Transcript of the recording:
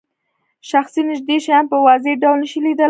شخص نږدې شیان په واضح ډول نشي لیدلای.